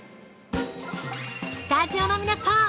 スタジオの皆さん！